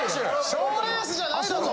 賞レースじゃないだろ。